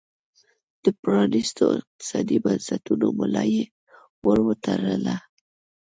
د پرانیستو اقتصادي بنسټونو ملا یې ور وتړله.